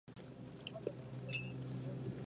venga, a descansar. buenas noches, Ricardo.